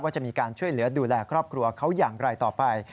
จะมีการช่วยเหลือดูแลครอบครัวเขาอย่างไรต่อไป